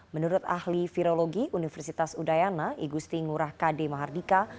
menurut ahli virologi universitas udayana igusti ngurah kd mahardika